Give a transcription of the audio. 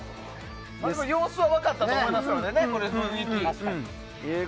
様子は分かったと思いますので、雰囲気。